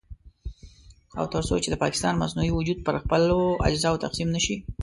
او تر څو چې د پاکستان مصنوعي وجود پر خپلو اجزاوو تقسيم نه شي.